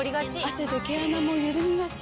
汗で毛穴もゆるみがち。